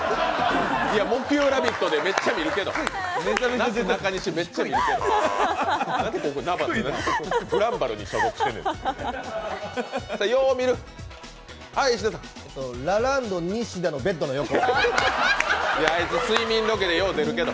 木曜「ラヴィット！」でめっちゃ見るけど、なすなかにし、めっちゃ見るけど。